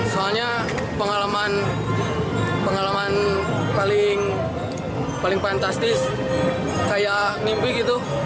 soalnya pengalaman paling fantastis kayak mimpi gitu